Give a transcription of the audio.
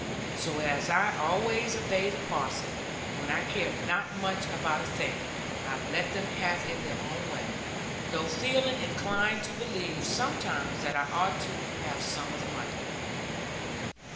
So as I always obey the parson, when I care not much about a thing, I let them have it their own way; though feeling inclined to believe, sometimes, that I ought to have some of the money.